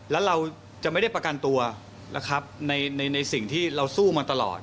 แล้วเราจะไม่ได้ประกันตัวนะครับในสิ่งที่เราสู้มาตลอด